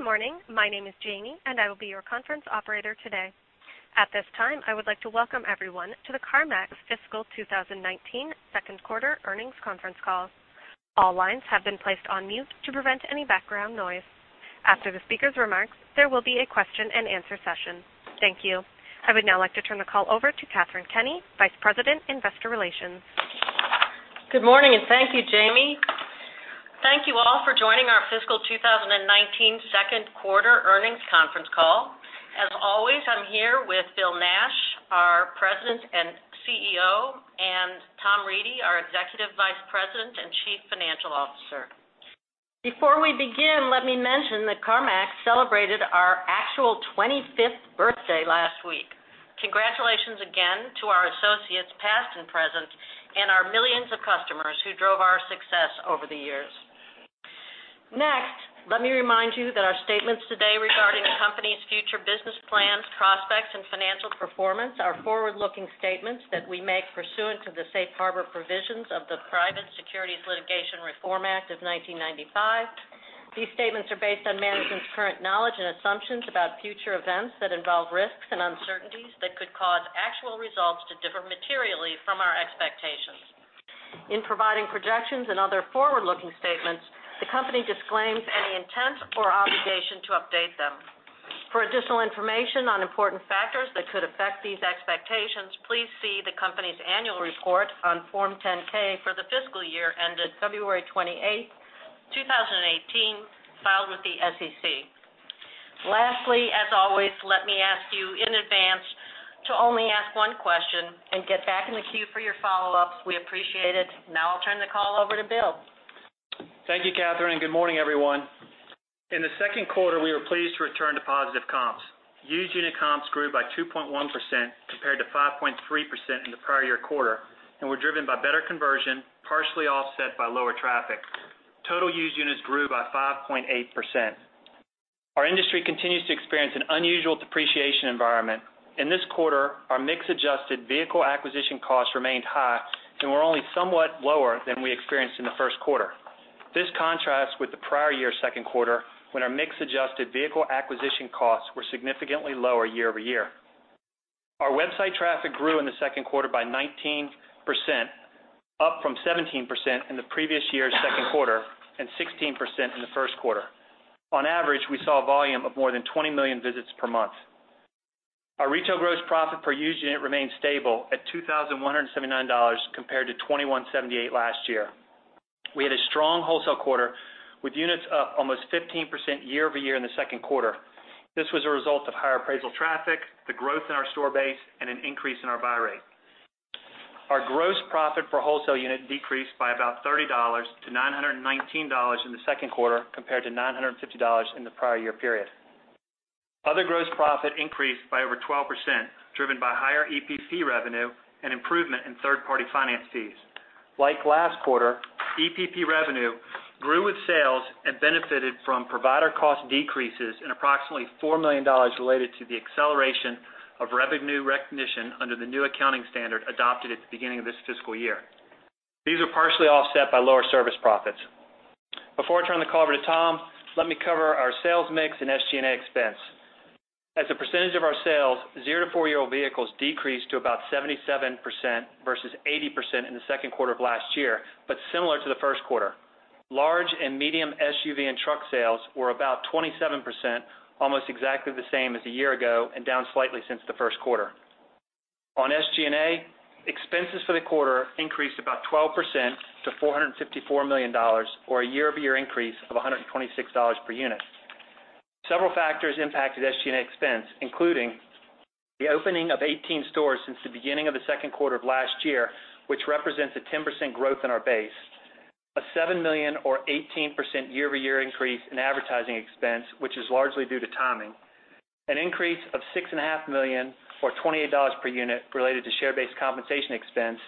Good morning. My name is Jamie, and I will be your conference operator today. At this time, I would like to welcome everyone to the CarMax Fiscal 2019 Second Quarter Earnings Conference Call. All lines have been placed on mute to prevent any background noise. After the speaker's remarks, there will be a question and answer session. Thank you. I would now like to turn the call over to Katharine Kenny, Vice President, Investor Relations. Good morning. Thank you, Jamie. Thank you all for joining our Fiscal 2019 Second Quarter Earnings Conference Call. As always, I'm here with Bill Nash, our President and CEO, and Tom Reedy, our Executive Vice President and Chief Financial Officer. Before we begin, let me mention that CarMax celebrated our actual 25th birthday last week. Congratulations again to our associates, past and present, and our millions of customers who drove our success over the years. Let me remind you that our statements today regarding the company's future business plans, prospects, and financial performance are forward-looking statements that we make pursuant to the safe harbor provisions of the Private Securities Litigation Reform Act of 1995. These statements are based on management's current knowledge and assumptions about future events that involve risks and uncertainties that could cause actual results to differ materially from our expectations. In providing projections and other forward-looking statements, the company disclaims any intent or obligation to update them. For additional information on important factors that could affect these expectations, please see the company's annual report on Form 10-K for the fiscal year ended February 28, 2018, filed with the SEC. As always, let me ask you in advance to only ask one question and get back in the queue for your follow-ups. We appreciate it. I'll turn the call over to Bill. Thank you, Katherine. Good morning, everyone. In the second quarter, we were pleased to return to positive comps. Used unit comps grew by 2.1%, compared to 5.3% in the prior year quarter, and were driven by better conversion, partially offset by lower traffic. Total used units grew by 5.8%. Our industry continues to experience an unusual depreciation environment. In this quarter, our mix adjusted vehicle acquisition costs remained high and were only somewhat lower than we experienced in the first quarter. This contrasts with the prior year second quarter, when our mix adjusted vehicle acquisition costs were significantly lower year-over-year. Our website traffic grew in the second quarter by 19%, up from 17% in the previous year's second quarter, and 16% in the first quarter. On average, we saw a volume of more than 20 million visits per month. Our retail gross profit per used unit remained stable at $2,179, compared to $2,178 last year. We had a strong wholesale quarter, with units up almost 15% year-over-year in the second quarter. This was a result of higher appraisal traffic, the growth in our store base, and an increase in our buy rate. Our gross profit per wholesale unit decreased by about $30 to $919 in the second quarter, compared to $950 in the prior year period. Other gross profit increased by over 12%, driven by higher EPP revenue and improvement in third-party finance fees. Like last quarter, EPP revenue grew with sales and benefited from provider cost decreases and approximately $4 million related to the acceleration of revenue recognition under the new accounting standard adopted at the beginning of this fiscal year. These are partially offset by lower service profits. Before I turn the call over to Tom, let me cover our sales mix and SG&A expense. As a percentage of our sales, zero to four-year-old vehicles decreased to about 77% versus 80% in the second quarter of last year, but similar to the first quarter. Large and medium SUV and truck sales were about 27%, almost exactly the same as a year ago and down slightly since the first quarter. On SG&A, expenses for the quarter increased about 12% to $454 million, or a year-over-year increase of $126 per unit. Several factors impacted SG&A expense, including the opening of 18 stores since the beginning of the second quarter of last year, which represents a 10% growth in our base. A $7 million or 18% year-over-year increase in advertising expense, which is largely due to timing. An increase of $6.5 million, or $28 per unit, related to share-based compensation expense,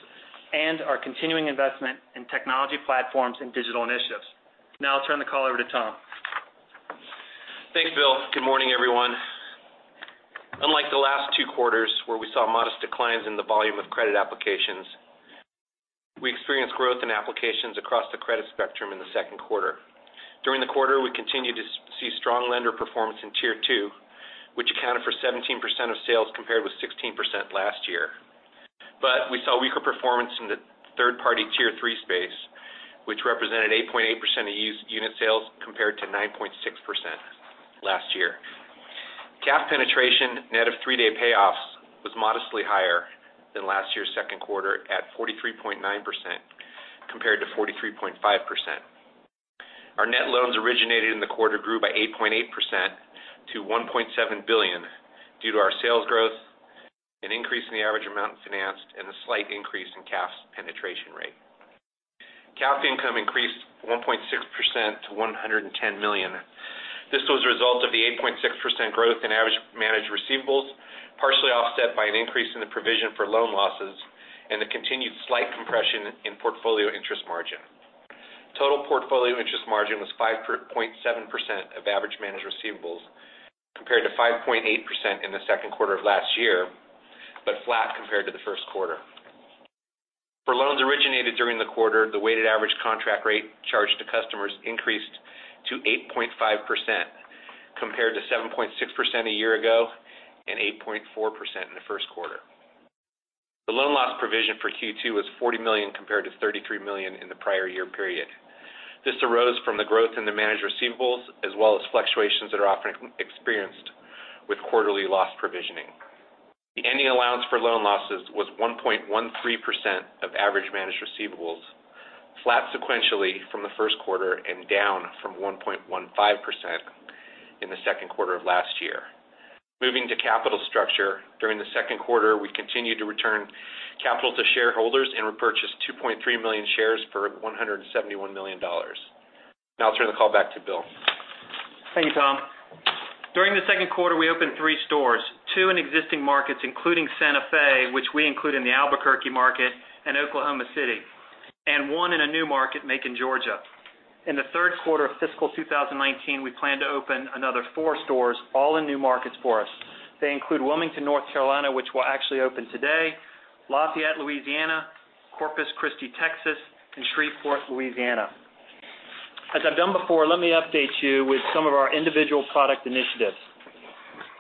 and our continuing investment in technology platforms and digital initiatives. Now I'll turn the call over to Tom. Thanks, Bill. Good morning, everyone. Unlike the last two quarters where we saw modest declines in the volume of credit applications, we experienced growth in applications across the credit spectrum in the second quarter. During the quarter, we continued to see strong lender performance in Tier 2, which accounted for 17% of sales, compared with 16% last year. We saw weaker performance in the third-party Tier 3 space, which represented 8.8% of used unit sales, compared to 9.6% last year. CAF penetration, net of three-day payoffs, was modestly higher than last year's second quarter at 43.9%, compared to 43.5%. Our net loans originated in the quarter grew by 8.8% to $1.7 billion due to our sales growth, an increase in the average amount financed, and a slight increase in CAF's penetration rate. CAF income increased 1.6% to $110 million. This was a result of the 8.6% growth in average managed receivables, partially offset by an increase in the provision for loan losses and the continued slight compression in portfolio interest margin. Total portfolio interest margin was 5.7% of average managed receivables. Compared to 5.8% in the second quarter of last year, but flat compared to the first quarter. For loans originated during the quarter, the weighted average contract rate charged to customers increased to 8.5%, compared to 7.6% a year ago and 8.4% in the first quarter. The loan loss provision for Q2 was $40 million compared to $33 million in the prior year period. This arose from the growth in the managed receivables as well as fluctuations that are often experienced with quarterly loss provisioning. The ending allowance for loan losses was 1.13% of average managed receivables, flat sequentially from the first quarter and down from 1.15% in the second quarter of last year. Moving to capital structure, during the second quarter, we continued to return capital to shareholders and repurchased 2.3 million shares for $171 million. I'll turn the call back to Bill. Thank you, Tom. During the second quarter, we opened three stores, two in existing markets, including Santa Fe, which we include in the Albuquerque market and Oklahoma City, and one in a new market, Macon, Georgia. In the third quarter of fiscal 2019, we plan to open another four stores, all in new markets for us. They include Wilmington, North Carolina, which will actually open today, Lafayette, Louisiana, Corpus Christi, Texas, and Shreveport, Louisiana. As I've done before, let me update you with some of our individual product initiatives.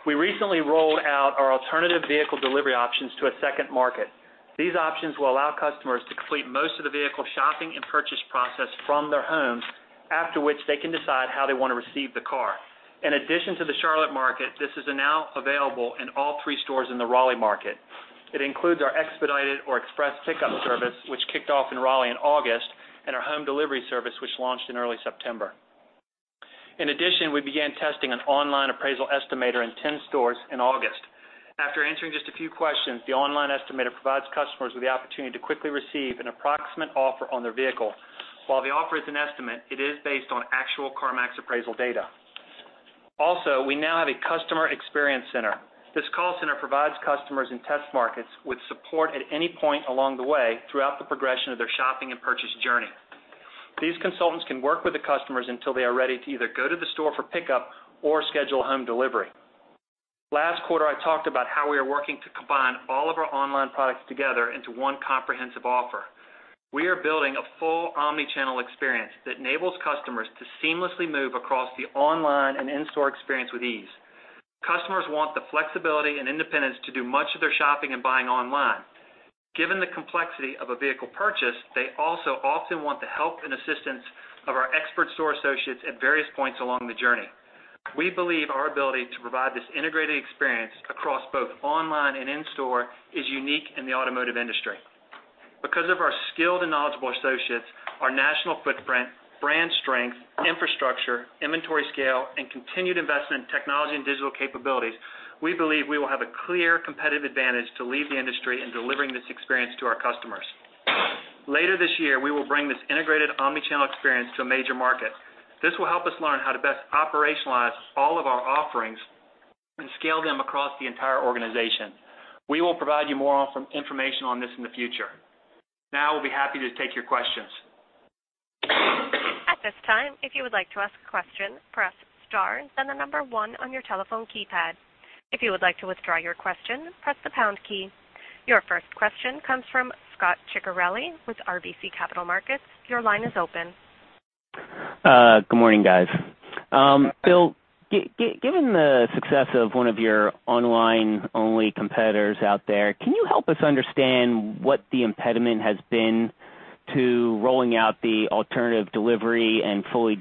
We recently rolled out our alternative vehicle delivery options to a second market. These options will allow customers to complete most of the vehicle shopping and purchase process from their homes, after which they can decide how they want to receive the car. In addition to the Charlotte market, this is now available in all three stores in the Raleigh market. It includes our expedited or express pickup service, which kicked off in Raleigh in August, and our home delivery service, which launched in early September. We began testing an online appraisal estimator in 10 stores in August. After answering just a few questions, the online estimator provides customers with the opportunity to quickly receive an approximate offer on their vehicle. While the offer is an estimate, it is based on actual CarMax appraisal data. We now have a Customer Experience Center. This call center provides customers in test markets with support at any point along the way throughout the progression of their shopping and purchase journey. These consultants can work with the customers until they are ready to either go to the store for pickup or schedule home delivery. Last quarter, I talked about how we are working to combine all of our online products together into one comprehensive offer. We are building a full omni-channel experience that enables customers to seamlessly move across the online and in-store experience with ease. Customers want the flexibility and independence to do much of their shopping and buying online. Given the complexity of a vehicle purchase, they also often want the help and assistance of our expert store associates at various points along the journey. We believe our ability to provide this integrated experience across both online and in-store is unique in the automotive industry. Because of our skilled and knowledgeable associates, our national footprint, brand strength, infrastructure, inventory scale, and continued investment in technology and digital capabilities, we believe we will have a clear competitive advantage to lead the industry in delivering this experience to our customers. Later this year, we will bring this integrated omni-channel experience to a major market. This will help us learn how to best operationalize all of our offerings and scale them across the entire organization. We will provide you more information on this in the future. We'll be happy to take your questions. At this time, if you would like to ask a question, press star, then the number 1 on your telephone keypad. If you would like to withdraw your question, press the pound key. Your first question comes from Scot Ciccarelli with RBC Capital Markets. Your line is open. Good morning, guys. Bill, given the success of one of your online-only competitors out there, can you help us understand what the impediment has been to rolling out the alternative delivery and full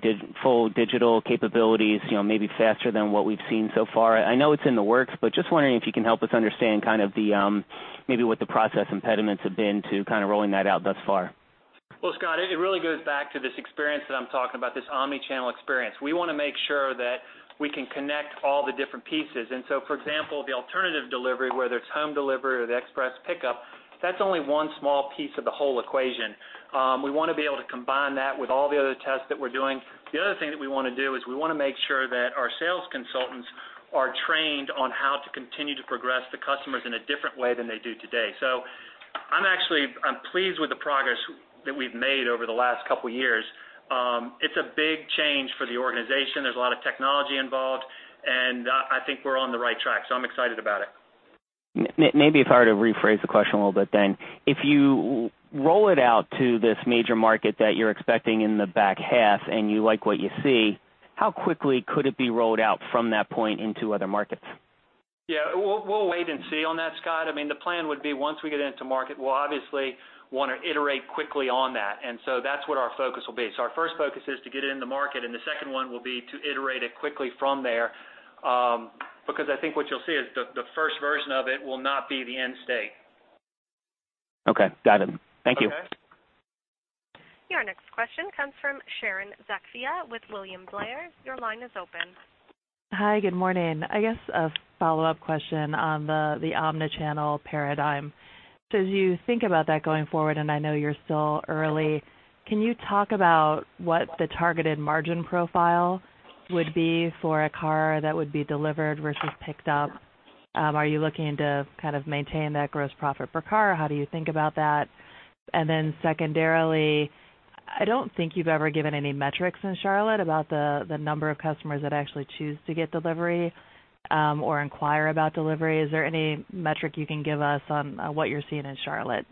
digital capabilities maybe faster than what we've seen so far? I know it's in the works, but just wondering if you can help us understand maybe what the process impediments have been to rolling that out thus far. Well, Scot, it really goes back to this experience that I'm talking about, this omni-channel experience. We want to make sure that we can connect all the different pieces. For example, the alternative delivery, whether it's home delivery or the express pickup, that's only one small piece of the whole equation. We want to be able to combine that with all the other tests that we're doing. The other thing that we want to do is we want to make sure that our sales consultants are trained on how to continue to progress the customers in a different way than they do today. I'm pleased with the progress that we've made over the last couple of years. It's a big change for the organization. There's a lot of technology involved, and I think we're on the right track, so I'm excited about it. Maybe if I were to rephrase the question a little bit then. If you roll it out to this major market that you're expecting in the back half and you like what you see, how quickly could it be rolled out from that point into other markets? Yeah, we'll wait and see on that, Scot. I mean, the plan would be once we get into market, we'll obviously want to iterate quickly on that. That's what our focus will be. Our first focus is to get it in the market, and the second one will be to iterate it quickly from there because I think what you'll see is the first version of it will not be the end state. Okay, got it. Thank you. Okay. Your next question comes from Sharon Zackfia with William Blair. Your line is open. Hi, good morning. I guess a follow-up question on the omni-channel paradigm. As you think about that going forward, and I know you're still early, can you talk about what the targeted margin profile would be for a car that would be delivered versus picked up? Are you looking to kind of maintain that gross profit per car? How do you think about that? Then secondarily I don't think you've ever given any metrics in Charlotte about the number of customers that actually choose to get delivery or inquire about delivery. Is there any metric you can give us on what you're seeing in Charlotte?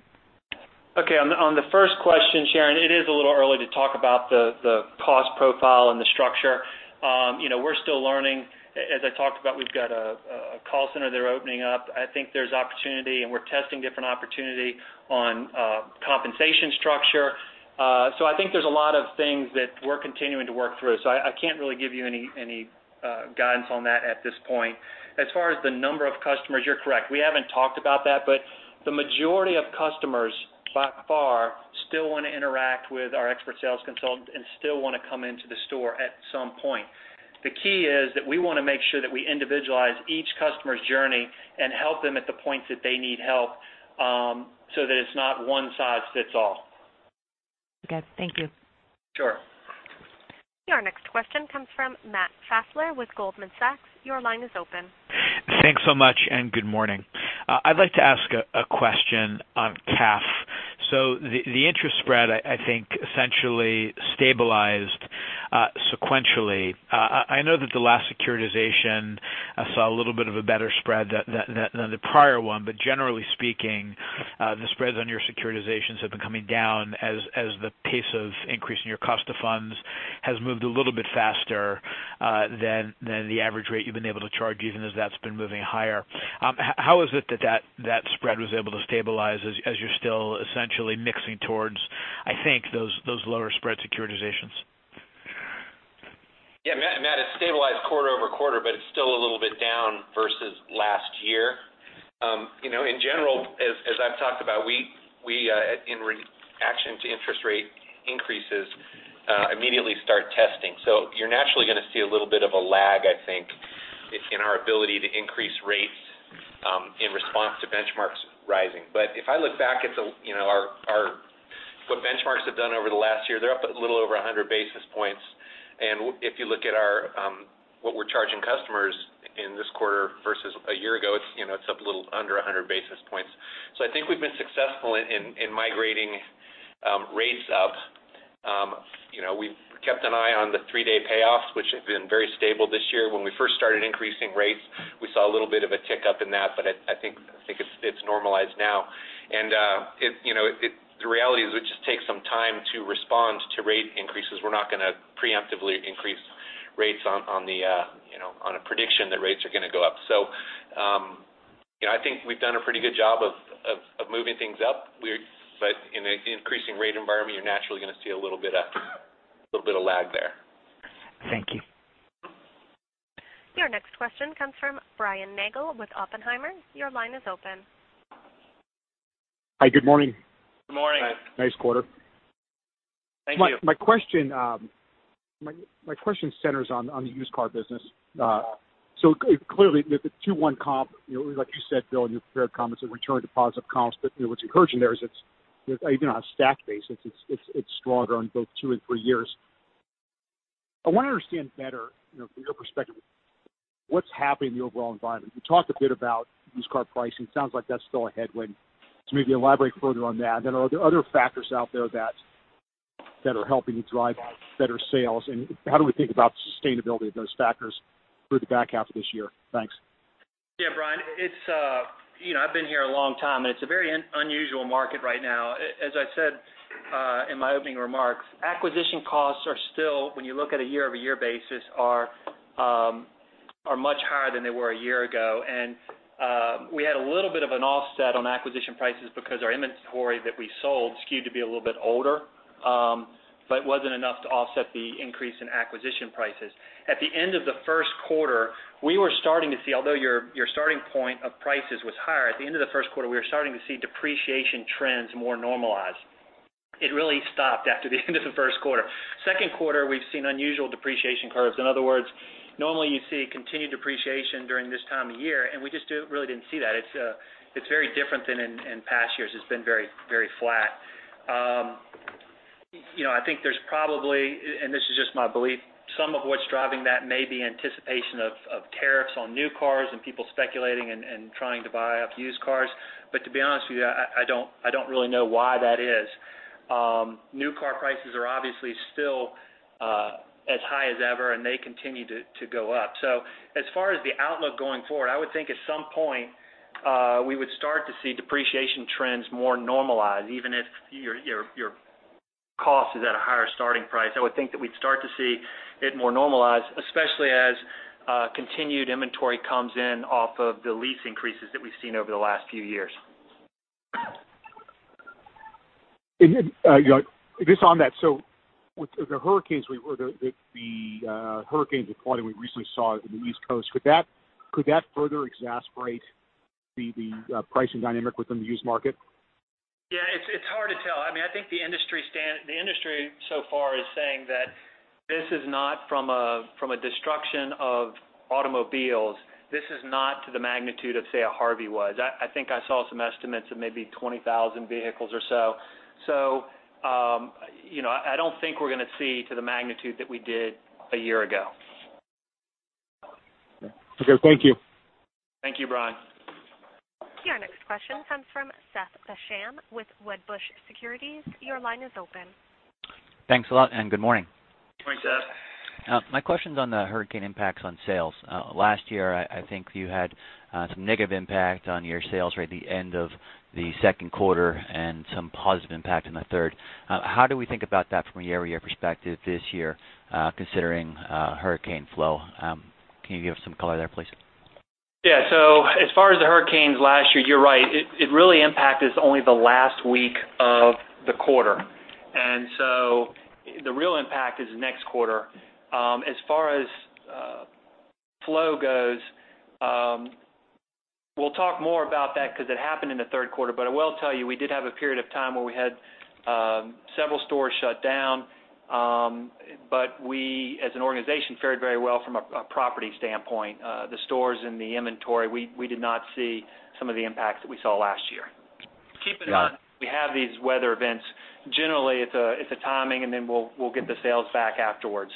Okay. On the first question, Sharon, it is a little early to talk about the cost profile and the structure. We're still learning. As I talked about, we've got a call center they're opening up. I think there's opportunity, and we're testing different opportunity on compensation structure. I think there's a lot of things that we're continuing to work through. I can't really give you any guidance on that at this point. As far as the number of customers, you're correct. We haven't talked about that, but the majority of customers, by far, still want to interact with our expert sales consultant and still want to come into the store at some point. The key is that we want to make sure that we individualize each customer's journey and help them at the point that they need help, so that it's not one size fits all. Okay. Thank you. Sure. Your next question comes from Matt Fassler with Goldman Sachs. Your line is open. Thanks so much, and good morning. I'd like to ask a question on CAF. The interest spread, I think, essentially stabilized sequentially. I know that the last securitization saw a little bit of a better spread than the prior one. Generally speaking, the spreads on your securitizations have been coming down as the pace of increase in your cost of funds has moved a little bit faster than the average rate you've been able to charge, even as that's been moving higher. How is it that spread was able to stabilize as you're still essentially mixing towards, I think, those lower spread securitizations? Yeah, Matt, it stabilized quarter-over-quarter, but it's still a little bit down versus last year. In general, as I've talked about, we, in reaction to interest rate increases, immediately start testing. You're naturally going to see a little bit of a lag, I think, in our ability to increase rates in response to benchmarks rising. If I look back at what benchmarks have done over the last year, they're up a little over 100 basis points. If you look at what we're charging customers in this quarter versus a year ago, it's up a little under 100 basis points. I think we've been successful in migrating rates up. We've kept an eye on the three-day payoffs, which have been very stable this year. When we first started increasing rates, we saw a little bit of a tick up in that, but I think it's normalized now. The reality is it just takes some time to respond to rate increases. We're not going to preemptively increase rates on a prediction that rates are going to go up. I think we've done a pretty good job of moving things up. In an increasing rate environment, you're naturally going to see a little bit of lag there. Thank you. Your next question comes from Brian Nagel with Oppenheimer. Your line is open. Hi, good morning. Good morning. Nice quarter. Thank you. My question centers on the used car business. Clearly, the two-one comp, like you said, Bill, in your prepared comments, a return deposit comps, but what's encouraging there is it's even on a stack base. It's stronger on both two and three years. I want to understand better from your perspective what's happening in the overall environment. You talked a bit about used car pricing. It sounds like that's still a headwind. Maybe elaborate further on that. Are there other factors out there that are helping to drive better sales, and how do we think about sustainability of those factors through the back half of this year? Thanks. Yeah, Brian. I've been here a long time, it's a very unusual market right now. As I said in my opening remarks, acquisition costs are still, when you look at a year-over-year basis, are much higher than they were a year ago. We had a little bit of an offset on acquisition prices because our inventory that we sold skewed to be a little bit older. It wasn't enough to offset the increase in acquisition prices. At the end of the first quarter, we were starting to see, although your starting point of prices was higher, at the end of the first quarter, we were starting to see depreciation trends more normalized. It really stopped after the end of the first quarter. Second quarter, we've seen unusual depreciation curves. In other words, normally you see continued depreciation during this time of year, and we just really didn't see that. It's very different than in past years. It's been very flat. I think there's probably, and this is just my belief, some of what's driving that may be anticipation of tariffs on new cars and people speculating and trying to buy up used cars. To be honest with you, I don't really know why that is. New car prices are obviously still as high as ever, and they continue to go up. As far as the outlook going forward, I would think at some point, we would start to see depreciation trends more normalized, even if your cost is at a higher starting price. I would think that we'd start to see it more normalized, especially as continued inventory comes in off of the lease increases that we've seen over the last few years. Just on that. With the hurricanes in Florida we recently saw in the East Coast, could that further exacerbate the pricing dynamic within the used market? Yeah, it's hard to tell. I think the industry so far is saying that this is not from a destruction of automobiles. This is not to the magnitude of, say, a Hurricane Harvey was. I think I saw some estimates of maybe 20,000 vehicles or so. I don't think we're going to see to the magnitude that we did a year ago. Okay, thank you. Thank you, Brian. Your next question comes from Seth Basham with Wedbush Securities. Your line is open. Thanks a lot. Good morning. Good morning, Seth. My question's on the year-over-year hurricane impacts on sales. Last year, I think you had some negative impact on your sales right at the end of the second quarter and some positive impact in the third. How do we think about that from a year-over-year perspective this year, considering hurricane flow? Can you give some color there, please? Yeah. As far as the hurricanes last year, you're right. It really impacted only the last week of the quarter. The real impact is next quarter. As far as flow goes, we'll talk more about that because it happened in the third quarter. I will tell you, we did have a period of time where we had several stores shut down. We as an organization fared very well from a property standpoint. The stores and the inventory, we did not see some of the impacts that we saw last year. Got it. Keep in mind, we have these weather events. Generally, it's a timing, then we'll get the sales back afterwards.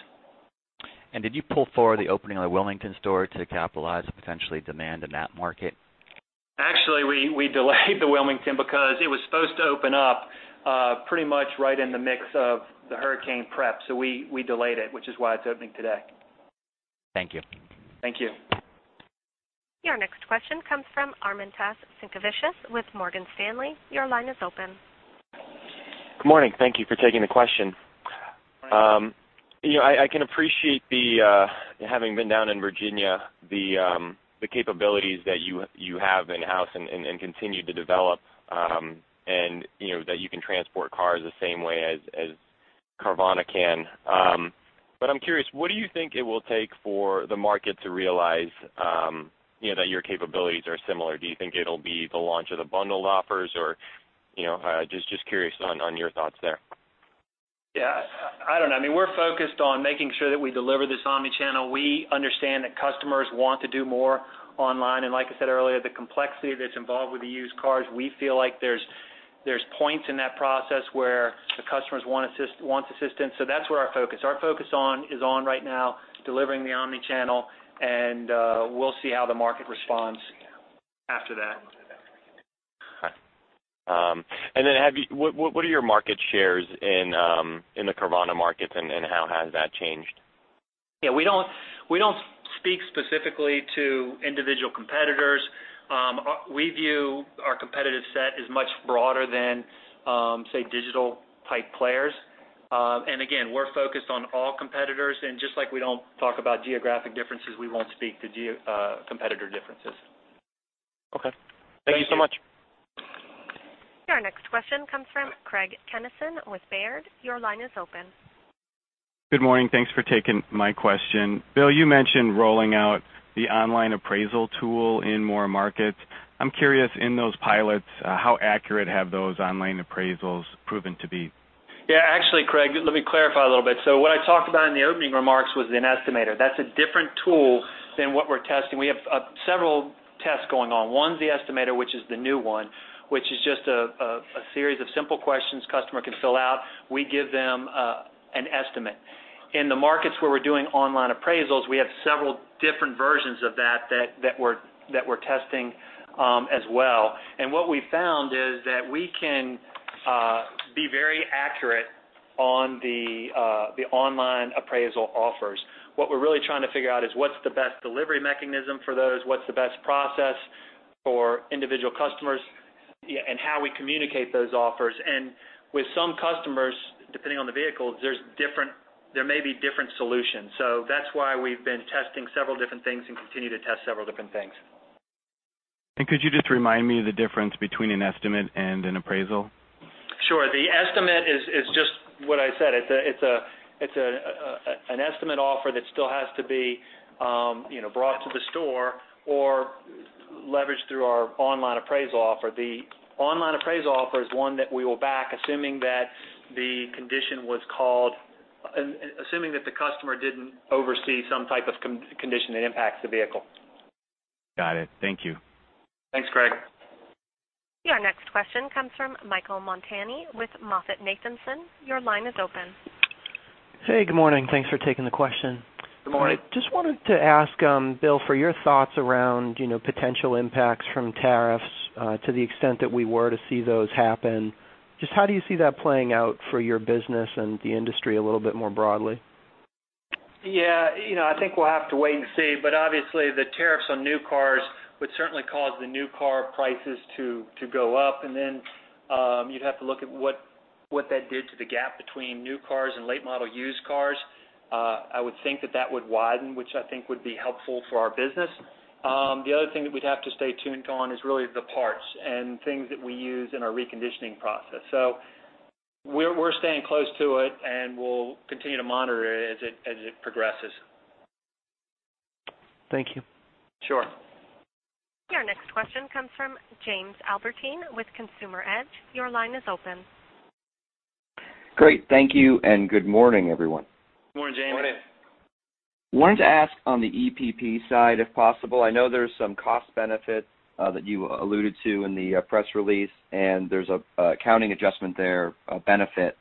Did you pull forward the opening of the Wilmington store to capitalize on potential demand in that market? Actually, we delayed the Wilmington because it was supposed to open up pretty much right in the mix of the hurricane prep. We delayed it, which is why it's opening today. Thank you. Thank you. Your next question comes from Armantas Sinkevicius with Morgan Stanley. Your line is open. Good morning. Thank you for taking the question. Hi. I can appreciate, having been down in Virginia, the capabilities that you have in-house and continue to develop and that you can transport cars the same way as Carvana can. I'm curious, what do you think it will take for the market to realize that your capabilities are similar? Do you think it'll be the launch of the bundled offers? Just curious on your thoughts there. Yeah. I don't know. We're focused on making sure that we deliver this omni-channel. We understand that customers want to do more online. Like I said earlier, the complexity that's involved with the used cars, we feel like there's points in that process where the customers want assistance. That's where our focus is on right now, delivering the omni-channel, and we'll see how the market responds after that. Then, what are your market shares in the Carvana markets, and how has that changed? Yeah, we don't speak specifically to individual competitors. We view our competitive set as much broader than, say, digital-type players. Again, we're focused on all competitors, and just like we don't talk about geographic differences, we won't speak to competitor differences. Okay. Thank you so much. Your next question comes from Craig Kennison with Baird. Your line is open. Good morning. Thanks for taking my question. Bill, you mentioned rolling out the online appraisal tool in more markets. I'm curious, in those pilots, how accurate have those online appraisals proven to be? Yeah. Actually, Craig, let me clarify a little bit. What I talked about in the opening remarks was an estimator. That's a different tool than what we're testing. We have several tests going on. One's the estimator, which is the new one, which is just a series of simple questions customer can fill out. We give them an estimate. In the markets where we're doing online appraisals, we have several different versions of that that we're testing as well. What we found is that we can be very accurate on the online appraisal offers. What we're really trying to figure out is what's the best delivery mechanism for those, what's the best process for individual customers, and how we communicate those offers. With some customers, depending on the vehicle, there may be different solutions. That's why we've been testing several different things and continue to test several different things. Could you just remind me the difference between an estimate and an appraisal? Sure. The estimate is just what I said. It's an estimate offer that still has to be brought to the store or leveraged through our online appraisal offer. The online appraisal offer is one that we will back, assuming that the customer didn't oversee some type of condition that impacts the vehicle. Got it. Thank you. Thanks, Craig. Your next question comes from Michael Montani with MoffettNathanson. Your line is open. Hey, good morning. Thanks for taking the question. Good morning. Just wanted to ask, Bill, for your thoughts around potential impacts from tariffs to the extent that we were to see those happen. Just how do you see that playing out for your business and the industry a little bit more broadly? Yeah. I think we'll have to wait and see. Obviously, the tariffs on new cars would certainly cause the new car prices to go up, and then you'd have to look at what that did to the gap between new cars and late-model used cars. I would think that that would widen, which I think would be helpful for our business. The other thing that we'd have to stay tuned on is really the parts and things that we use in our reconditioning process. We're staying close to it, and we'll continue to monitor it as it progresses. Thank you. Sure. Your next question comes from Jamie Albertine with Consumer Edge. Your line is open. Great. Thank you, good morning, everyone. Morning, Jamie. Morning. Wanted to ask on the EPP side, if possible. I know there's some cost benefit that you alluded to in the press release, and there's an accounting adjustment there, a benefit.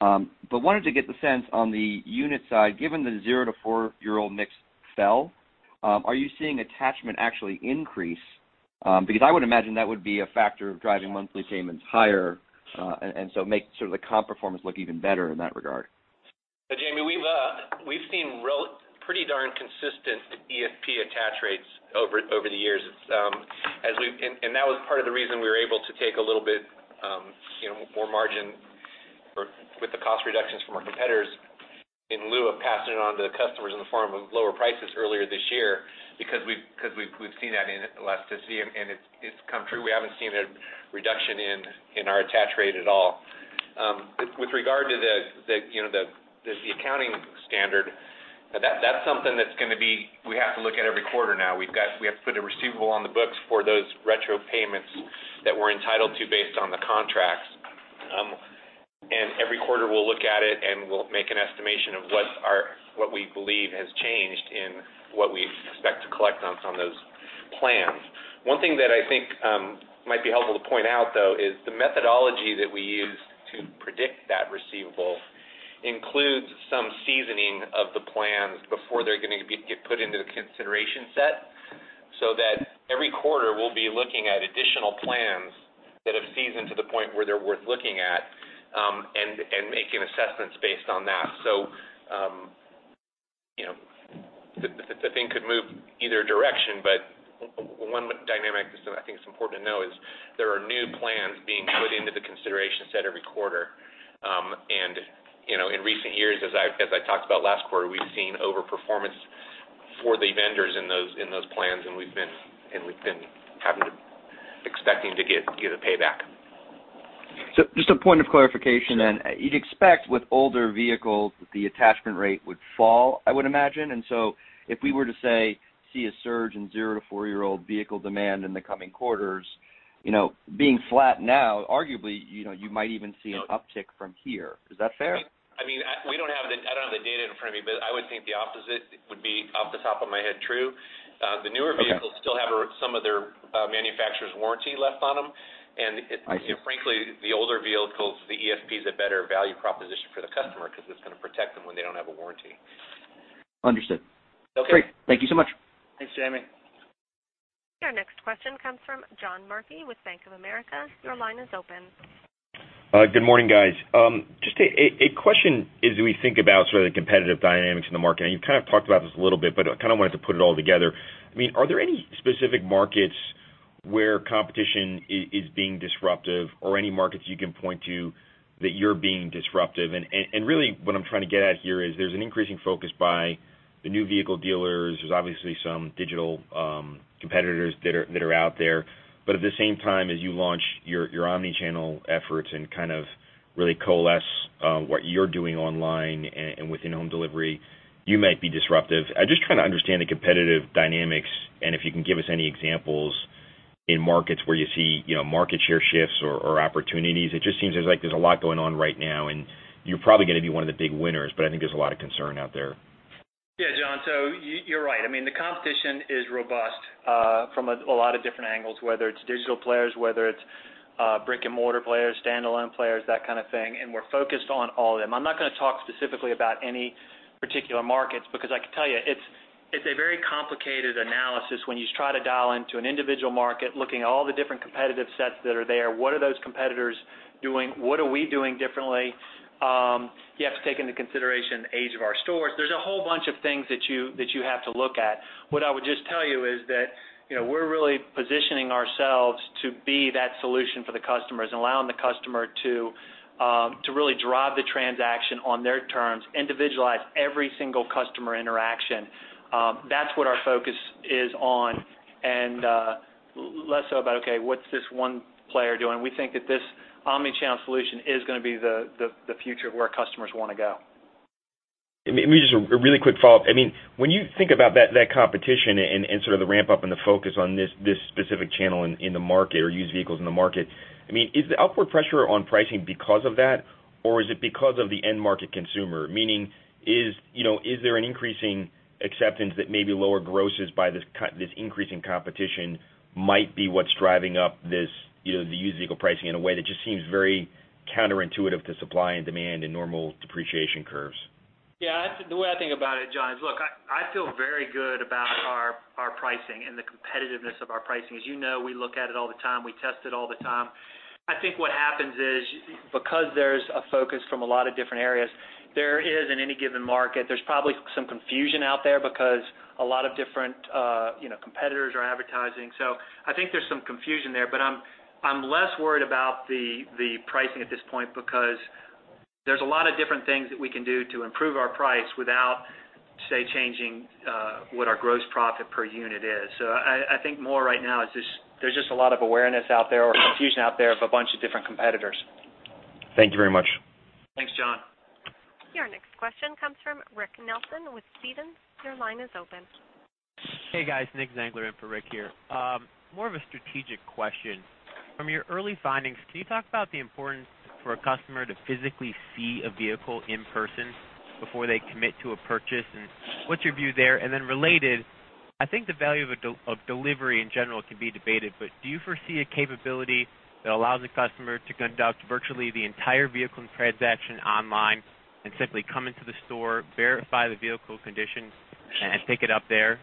Wanted to get the sense on the unit side, given the 0 to 4-year-old mix fell, are you seeing attachment actually increase? Because I would imagine that would be a factor of driving monthly payments higher, so it makes the comp performance look even better in that regard. Jamie, we've seen pretty darn consistent EPP attach rates over the years. That was part of the reason we were able to take a little bit more margin with the cost reductions from our competitors in lieu of passing it on to the customers in the form of lower prices earlier this year, because we've seen that elasticity, and it's come true. We haven't seen a reduction in our attach rate at all. With regard to the accounting standard, we have to look at every quarter now. We have to put a receivable on the books for those retro payments that we're entitled to based on the contracts. Every quarter, we'll look at it, and we'll make an estimation of what we believe has changed in what we expect to collect on some of those plans. One thing that I think might be helpful to point out, though, is the methodology that we use to predict that receivable includes some seasoning of the plans before they're going to get put into the consideration set. Every quarter, we'll be looking at additional plans that have seasoned to the point where they're worth looking at, and making assessments based on that. The thing could move either direction, but one dynamic that I think is important to know is there are new plans being put into the consideration set every quarter. In recent years, as I talked about last quarter, we've seen over-performance for the vendors in those plans, and we've been expecting to get a payback. Just a point of clarification. Sure. You'd expect with older vehicles that the attachment rate would fall, I would imagine. If we were to, say, see a surge in zero to four-year-old vehicle demand in the coming quarters, being flat now, arguably, you might even see an uptick from here. Is that fair? I don't have the data in front of me, I would think the opposite would be, off the top of my head, true. Okay. The newer vehicles still have some of their manufacturer's warranty left on them. I see. Frankly, the older vehicles, the EPP is a better value proposition for the customer because it's going to protect them when they don't have a warranty. Understood. Okay. Great. Thank you so much. Thanks, Jamie. Your next question comes from John Murphy with Bank of America. Your line is open. Good morning, guys. Just a question as we think about sort of the competitive dynamics in the market, and you've kind of talked about this a little bit, but I kind of wanted to put it all together. Are there any specific markets where competition is being disruptive or any markets you can point to that you're being disruptive? Really what I'm trying to get at here is there's an increasing focus by the new vehicle dealers. There's obviously some digital competitors that are out there. At the same time, as you launch your omni-channel efforts and kind of really coalesce what you're doing online and with in-home delivery, you might be disruptive. I'm just trying to understand the competitive dynamics and if you can give us any examples in markets where you see market share shifts or opportunities. It just seems there's a lot going on right now, and you're probably going to be one of the big winners, but I think there's a lot of concern out there. Yeah, John. You're right. The competition is robust from a lot of different angles, whether it's digital players, whether it's brick and mortar players, standalone players, that kind of thing, and we're focused on all of them. I'm not going to talk specifically about any particular markets because I can tell you it's a very complicated analysis when you try to dial into an individual market, looking at all the different competitive sets that are there. What are those competitors doing? What are we doing differently? You have to take into consideration the age of our stores. There's a whole bunch of things that you have to look at. What I would just tell you is that we're really positioning ourselves to be that solution for the customers and allowing the customer to really drive the transaction on their terms, individualize every single customer interaction. That's what our focus is on, and less so about, okay, what's this one player doing? We think that this omni-channel solution is going to be the future of where customers want to go. Maybe just a really quick follow-up. When you think about that competition and sort of the ramp-up and the focus on this specific channel in the market or used vehicles in the market, is the upward pressure on pricing because of that, or is it because of the end market consumer? Meaning, is there an increasing acceptance that maybe lower grosses by this increase in competition might be what's driving up the used vehicle pricing in a way that just seems very counterintuitive to supply and demand and normal depreciation curves? Yeah, the way I think about it, John, is look, I feel very good about our pricing and the competitiveness of our pricing. As you know, we look at it all the time. We test it all the time. I think what happens is, because there's a focus from a lot of different areas, there is, in any given market, there's probably some confusion out there because a lot of different competitors are advertising. I think there's some confusion there. I'm less worried about the pricing at this point because there's a lot of different things that we can do to improve our price without, say, changing what our gross profit per unit is. I think more right now, there's just a lot of awareness out there or confusion out there of a bunch of different competitors. Thank you very much. Thanks, John. Your next question comes from Rick Nelson with Stephens. Your line is open. Hey, guys. Nicholas Zangler in for Rick here. More of a strategic question. From your early findings, can you talk about the importance for a customer to physically see a vehicle in person? Before they commit to a purchase, and what's your view there? Then related, I think the value of delivery in general can be debated, but do you foresee a capability that allows the customer to conduct virtually the entire vehicle transaction online and simply come into the store, verify the vehicle condition, and pick it up there?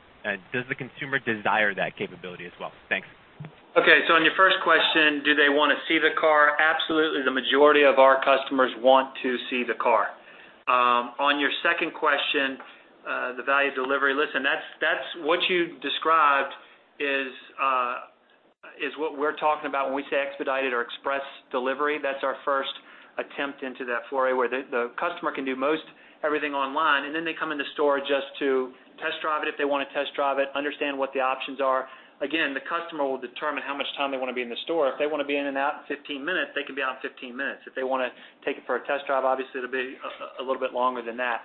Does the consumer desire that capability as well? Thanks. Okay. On your first question, do they want to see the car? Absolutely. The majority of our customers want to see the car. On your second question, the value delivery, listen, what you described is what we're talking about when we say expedited or express delivery. That's our first attempt into that foray where the customer can do everything online, and then they come into store just to test drive it if they want to test drive it, understand what the options are. Again, the customer will determine how much time they want to be in the store. If they want to be in and out in 15 minutes, they can be out in 15 minutes. If they want to take it for a test drive, obviously, it'll be a little bit longer than that.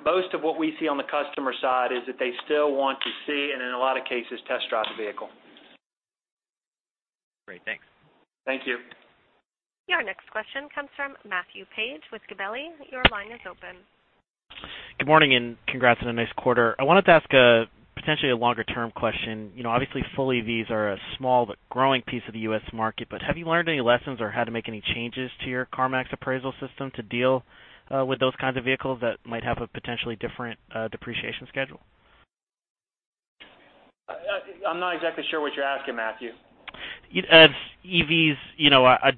Most of what we see on the customer side is that they still want to see, and in a lot of cases, test drive the vehicle. Great. Thanks. Thank you. Your next question comes from Matthew Paige with Gabelli. Your line is open. Good morning, and congrats on a nice quarter. I wanted to ask potentially a longer-term question. Obviously, full EVs are a small but growing piece of the U.S. market, but have you learned any lessons or had to make any changes to your CarMax appraisal system to deal with those kinds of vehicles that might have a potentially different depreciation schedule? I'm not exactly sure what you're asking, Matthew. EVs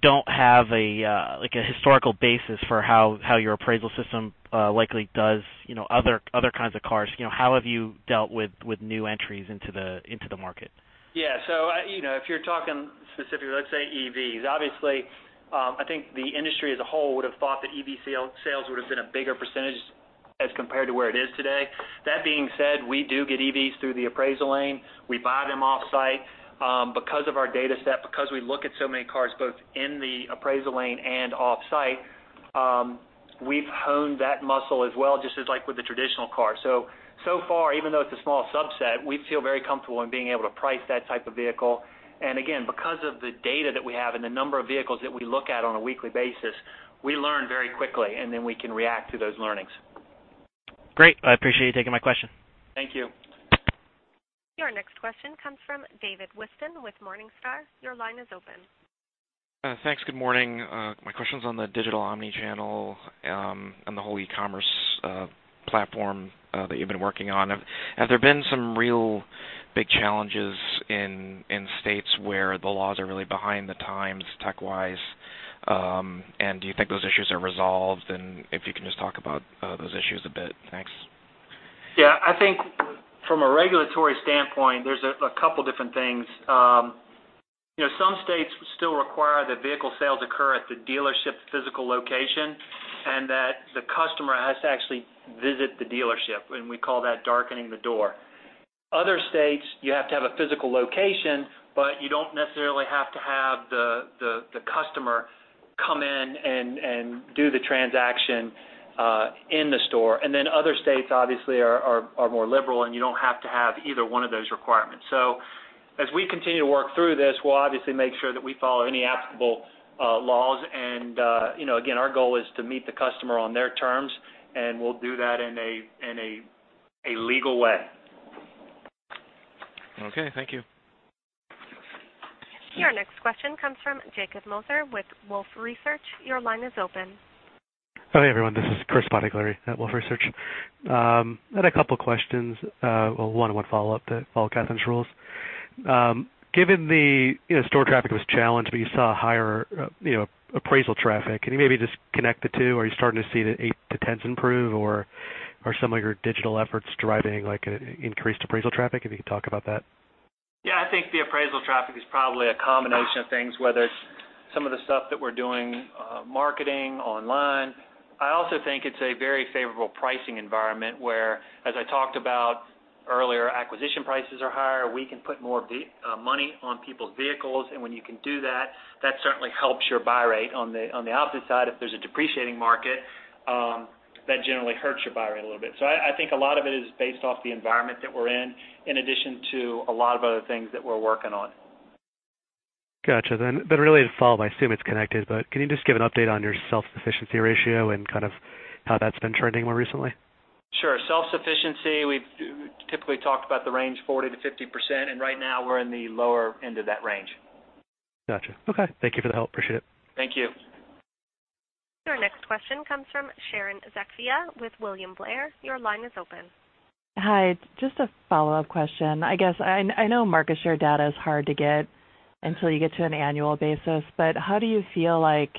don't have a historical basis for how your appraisal system likely does other kinds of cars. How have you dealt with new entries into the market? Yeah. If you're talking specifically, let's say EVs, obviously, I think the industry as a whole would have thought that EV sales would have been a bigger % as compared to where it is today. That being said, we do get EVs through the appraisal lane. We buy them off-site. Because of our data set, because we look at so many cars both in the appraisal lane and off-site, we've honed that muscle as well, just as like with the traditional car. So far, even though it's a small subset, we feel very comfortable in being able to price that type of vehicle. Again, because of the data that we have and the number of vehicles that we look at on a weekly basis, we learn very quickly, then we can react to those learnings. Great. I appreciate you taking my question. Thank you. Your next question comes from David Whiston with Morningstar. Your line is open. Thanks. Good morning. My question's on the digital omni-channel, on the whole e-commerce platform that you've been working on. Have there been some real big challenges in states where the laws are really behind the times tech-wise? Do you think those issues are resolved? If you can just talk about those issues a bit. Thanks. Yeah, I think from a regulatory standpoint, there's a couple different things. Some states still require that vehicle sales occur at the dealership physical location, and that the customer has to actually visit the dealership, and we call that darkening the door. Other states, you have to have a physical location, but you don't necessarily have to have the customer come in and do the transaction in the store. Then other states, obviously, are more liberal, and you don't have to have either one of those requirements. As we continue to work through this, we'll obviously make sure that we follow any applicable laws. Again, our goal is to meet the customer on their terms, and we'll do that in a legal way. Okay, thank you. Your next question comes from Jacob Moser with Wolfe Research. Your line is open. Hi, everyone. This is Chris Bottiglieri at Wolfe Research. I had a couple questions. Well, one and one follow-up to follow Katharine's rules. Given the store traffic was challenged, but you saw higher appraisal traffic. Can you maybe just connect the two? Are you starting to see the e-trends improve, or some of your digital efforts driving increased appraisal traffic? If you could talk about that. Yeah. I think the appraisal traffic is probably a combination of things, whether it's some of the stuff that we're doing, marketing online. I also think it's a very favorable pricing environment where, as I talked about earlier, acquisition prices are higher. We can put more money on people's vehicles, and when you can do that certainly helps your buy rate. On the opposite side, if there's a depreciating market, that generally hurts your buy rate a little bit. I think a lot of it is based off the environment that we're in addition to a lot of other things that we're working on. Got you. A related follow-up. I assume it's connected, but can you just give an update on your self-sufficiency ratio and how that's been trending more recently? Sure. Self-sufficiency, we've typically talked about the range 40%-50%, and right now, we're in the lower end of that range. Got you. Okay, thank you for the help. Appreciate it. Thank you. Your next question comes from Sharon Zackfia with William Blair. Your line is open. Hi. Just a follow-up question. I guess I know market share data is hard to get until you get to an annual basis, how do you feel like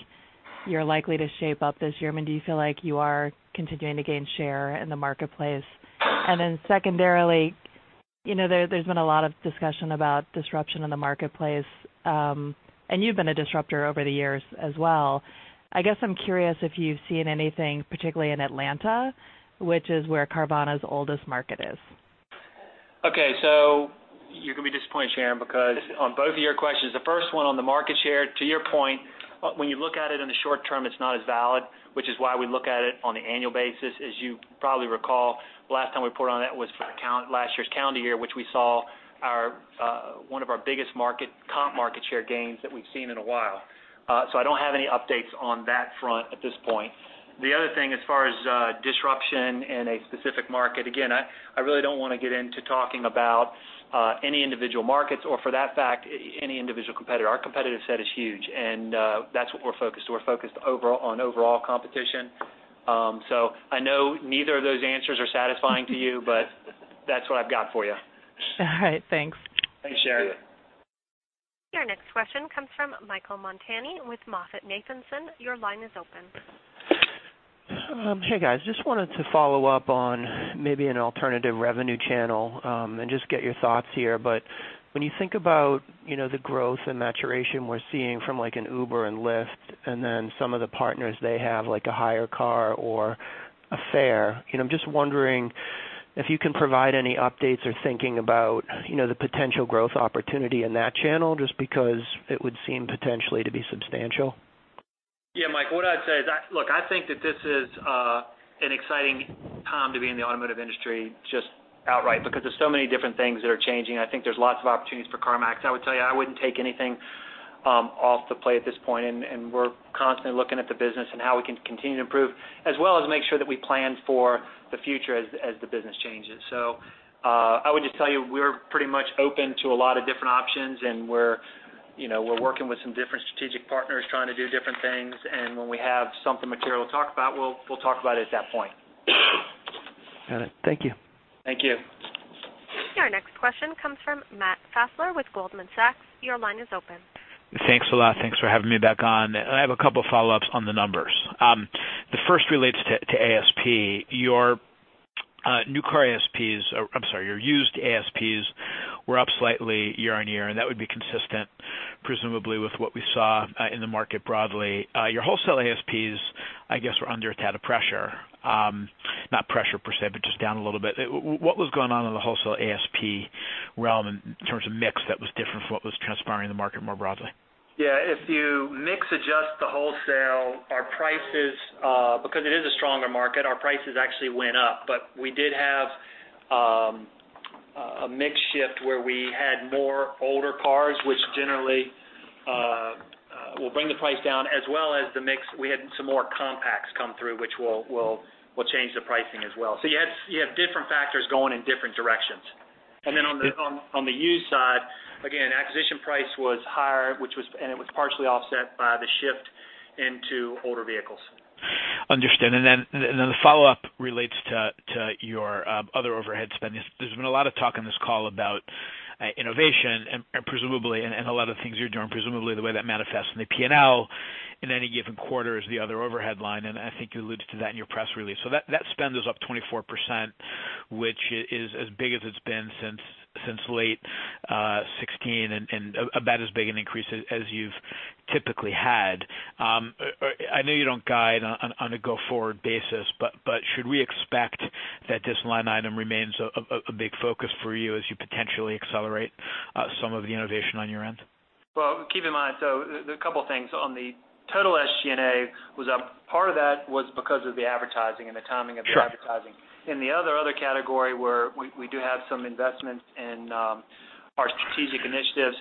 you're likely to shape up this year? I mean, do you feel like you are continuing to gain share in the marketplace? Then secondarily, there's been a lot of discussion about disruption in the marketplace. You've been a disruptor over the years as well. I guess I'm curious if you've seen anything, particularly in Atlanta, which is where Carvana's oldest market is. Okay, Sharon, because on both of your questions, the first one on the market share, to your point, when you look at it in the short term, it's not as valid, which is why we look at it on the annual basis. As you probably recall, the last time we reported on it was for last year's calendar year, which we saw one of our biggest comp market share gains that we've seen in a while. I don't have any updates on that front at this point. The other thing, as far as disruption in a specific market, again, I really don't want to get into talking about any individual markets or for that fact, any individual competitor. Our competitive set is huge, and that's what we're focused. We're focused on overall competition. I know neither of those answers are satisfying to you, but that's what I've got for you. All right, thanks. Thanks, Sharon. Your next question comes from Michael Montani with MoffettNathanson. Your line is open. Hey, guys. Just wanted to follow up on maybe an alternative revenue channel and just get your thoughts here. When you think about the growth and maturation we're seeing from an Uber and Lyft and then some of the partners they have, like a HyreCar or a Fair, I'm just wondering if you can provide any updates or thinking about the potential growth opportunity in that channel, just because it would seem potentially to be substantial. Yeah, Michael, what I'd say is, look, I think that this is an exciting time to be in the automotive industry just outright because there's so many different things that are changing, and I think there's lots of opportunities for CarMax. I would tell you, I wouldn't take anything off the play at this point, and we're constantly looking at the business and how we can continue to improve, as well as make sure that we plan for the future as the business changes. I would just tell you, we're pretty much open to a lot of different options and we're working with some different strategic partners trying to do different things. When we have something material to talk about, we'll talk about it at that point. Got it. Thank you. Thank you. Your next question comes from Matt Fassler with Goldman Sachs. Your line is open. Thanks a lot. Thanks for having me back on. I have a couple of follow-ups on the numbers. The first relates to ASP. Your used ASPs were up slightly year-over-year, and that would be consistent, presumably, with what we saw in the market broadly. Your wholesale ASPs, I guess, were under a tad of pressure. Not pressure per se, but just down a little bit. What was going on in the wholesale ASP realm in terms of mix that was different from what was transpiring in the market more broadly? Yeah. If you mix adjust the wholesale, because it is a stronger market, our prices actually went up, but we did have a mix shift where we had more older cars, which generally will bring the price down as well as the mix. We had some more compacts come through, which will change the pricing as well. You have different factors going in different directions. Then on the used side, again, acquisition price was higher and it was partially offset by the shift into older vehicles. Understood. The follow-up relates to your other overhead spend. There's been a lot of talk on this call about innovation and presumably, a lot of things you're doing, presumably the way that manifests in the P&L in any given quarter is the other overhead line, and I think you alluded to that in your press release. That spend is up 24%, which is as big as it's been since late 2016, and about as big an increase as you've typically had. I know you don't guide on a go-forward basis, but should we expect that this line item remains a big focus for you as you potentially accelerate some of the innovation on your end? Well, keep in mind. A couple things. On the total SG&A was up. Part of that was because of the advertising and the timing of the advertising. Sure. In the other category where we do have some investments in our strategic initiatives.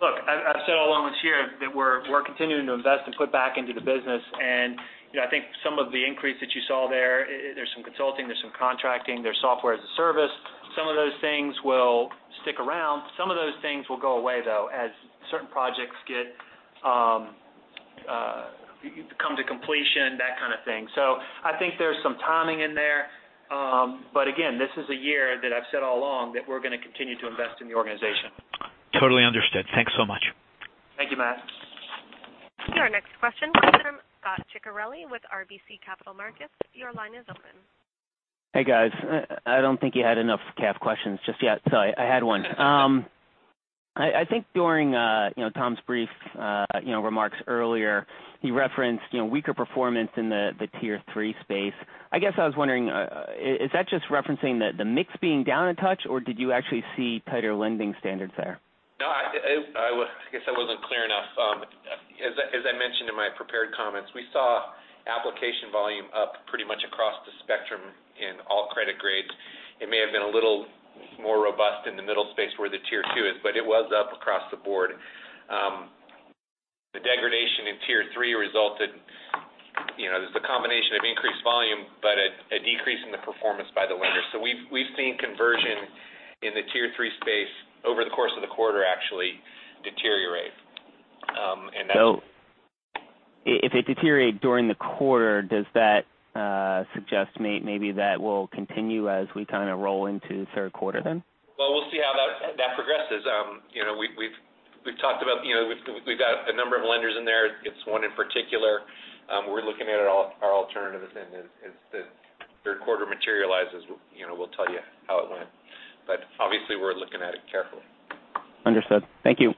Look, I've said all along this year that we're continuing to invest and put back into the business, and I think some of the increase that you saw there's some consulting, there's some contracting, there's software as a service. Some of those things will stick around. Some of those things will go away, though, as certain projects come to completion, that kind of thing. I think there's some timing in there. Again, this is a year that I've said all along that we're going to continue to invest in the organization. Totally understood. Thanks so much. Thank you, Matt. Your next question comes from Scot Ciccarelli with RBC Capital Markets. Your line is open. Hey, guys. I don't think you had enough CAF questions just yet, so I had one. I think during Tom's brief remarks earlier, he referenced weaker performance in the Tier 3 space. I guess I was wondering, is that just referencing the mix being down a touch, or did you actually see tighter lending standards there? No, I guess I wasn't clear enough. As I mentioned in my prepared comments, we saw application volume up pretty much across the spectrum in all credit grades. It may have been a little more robust in the middle space where the Tier 2 is, but it was up across the board. The degradation in Tier 3 resulted. There's a combination of increased volume, but a decrease in the performance by the lender. We've seen conversion in the Tier 3 space over the course of the quarter actually deteriorate. If it deteriorated during the quarter, does that suggest maybe that will continue as we roll into the third quarter then? We'll see how that progresses. We've got a number of lenders in there. It's one in particular. We're looking at our alternatives, and as the third quarter materializes, we'll tell you how it went. Obviously, we're looking at it carefully. Understood. Thank you.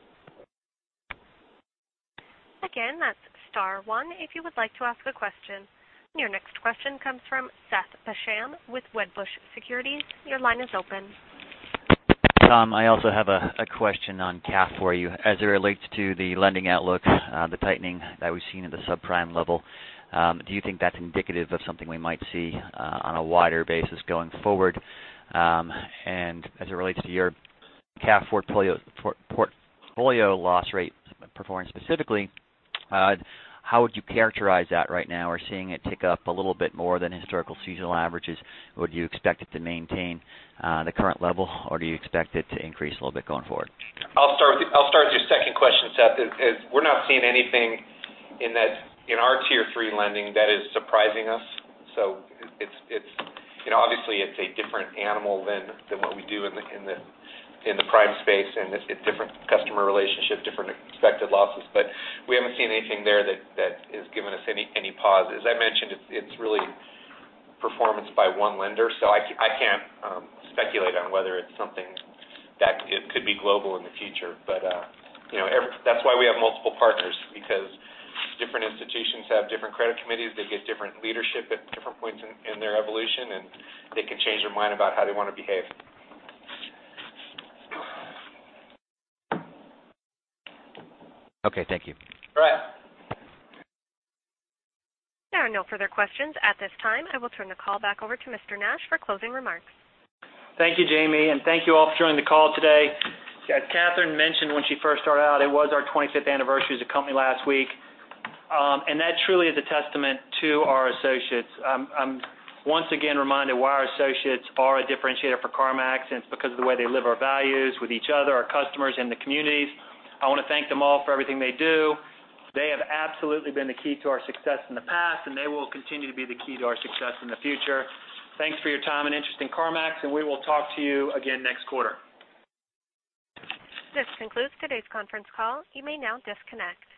One, if you would like to ask a question. Your next question comes from Seth Basham with Wedbush Securities. Your line is open. Tom, I also have a question on CAF for you. As it relates to the lending outlook, the tightening that we've seen at the subprime level, do you think that's indicative of something we might see on a wider basis going forward? As it relates to your CAF portfolio loss rate performance specifically, how would you characterize that right now? We're seeing it tick up a little bit more than historical seasonal averages. Would you expect it to maintain the current level, or do you expect it to increase a little bit going forward? I'll start with your second question, Seth. We're not seeing anything in our Tier 3 lending that is surprising us. Obviously it's a different animal than what we do in the prime space, and it's different customer relationship, different expected losses. We haven't seen anything there that has given us any pause. As I mentioned, it's really performance by one lender. I can't speculate on whether it's something that could be global in the future. That's why we have multiple partners, because different institutions have different credit committees. They get different leadership at different points in their evolution, and they can change their mind about how they want to behave. Okay, thank you. All right. There are no further questions at this time. I will turn the call back over to Mr. Nash for closing remarks. Thank you, Jamie, thank you all for joining the call today. As Katharine mentioned when she first started out, it was our 25th anniversary as a company last week, and that truly is a testament to our associates. I'm once again reminded why our associates are a differentiator for CarMax, and it's because of the way they live our values with each other, our customers, and the communities. I want to thank them all for everything they do. They have absolutely been the key to our success in the past, and they will continue to be the key to our success in the future. Thanks for your time and interest in CarMax, and we will talk to you again next quarter. This concludes today's conference call. You may now disconnect.